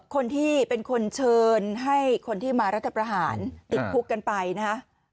คนที่เป็นคนเชิญให้คนที่มารัฐประหารติดคุกกันไปนะฮะ